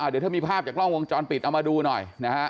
เดี๋ยวถ้ามีภาพจากกล้องวงจรปิดเอามาดูหน่อยนะฮะ